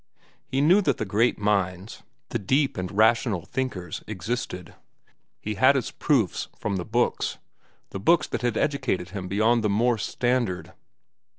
He knew that the great minds, the deep and rational thinkers, existed. He had his proofs from the books, the books that had educated him beyond the Morse standard.